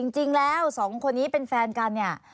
จริงแล้วสองคนนี้เป็นแฟนกันเนี่ย